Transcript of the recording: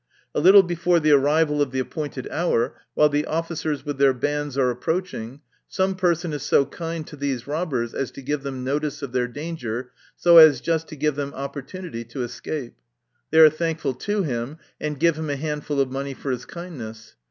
A little before the arrival of the appointed hour, while the offi cers with their bands are approaching, some person is so kind to these robbers as to give them notice of their danger, so as just to give them opportunity to escape. They are thankful to him, and give him a handful of money for his kindness.